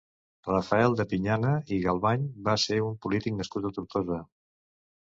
Rafael de Pinyana i Galvany va ser un polític nascut a Tortosa.